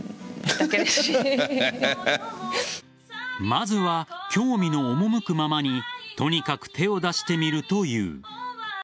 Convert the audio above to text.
まずは興味の赴くままにとにかく手を出してみるという。